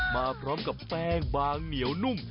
มาพร้อมกับแป้งบางเหนียวนุ่ม